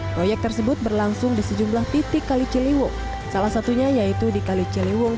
proyek tersebut berlangsung di sejumlah titik kali ciliwung salah satunya yaitu di kali ciliwung